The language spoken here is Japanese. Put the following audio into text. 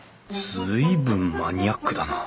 随分マニアックだな